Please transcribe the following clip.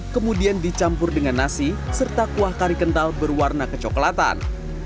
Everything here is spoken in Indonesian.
kemudian dicampur dengan nasi serta kuah kari kental berwarna kecoklatan